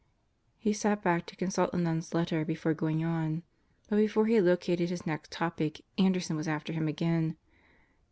He sat back to consult the nun's letter before going on. But before he had located his next topic, Anderson was after him again.